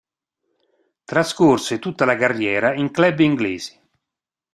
Trascorse tutta la carriera in club inglesi.